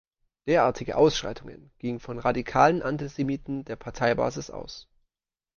Derartige Ausschreitungen gingen von radikalen Antisemiten der Parteibasis aus.